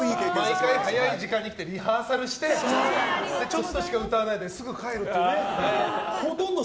毎回、早い時間に来てリハーサルしてちょっとしか歌わないですぐ帰るっていうね。